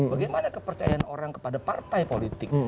bagaimana kepercayaan orang kepada partai politik